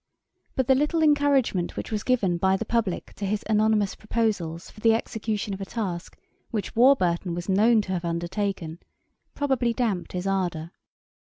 But the little encouragement which was given by the publick to his anonymous proposals for the execution of a task which Warburton was known to have undertaken, probably damped his ardour.